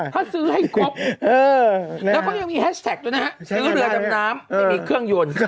ถ้าซื้อให้ครบแล้วก็ยังมีแฮชแท็กด้วยนะฮะซื้อเรือดำน้ำไม่มีเครื่องยนต์